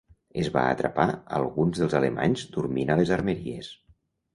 Es va atrapar alguns dels alemanys dormint a les armeries.